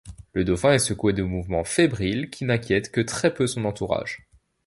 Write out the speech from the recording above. Le dauphin est secoué de mouvements fébriles, qui n'inquiètent que très peu son entourage.